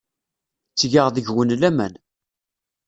Ttgeɣ deg-wen laman.